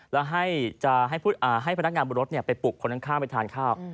แล้วให้พนักงานบนรถไปปลุกคนข้างไปทานข้าว